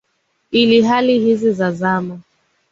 ili hali hizi za zama